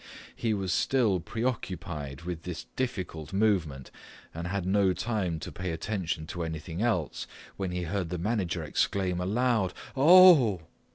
He was still preoccupied with this difficult movement and had no time to pay attention to anything else, when he heard the manager exclaim a loud "Oh!"